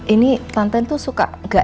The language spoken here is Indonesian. ini tante tuh suka gak enak banget ya